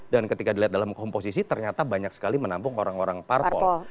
dan ketika dilihat dalam komposisi ternyata banyak sekali menampung orang orang parpol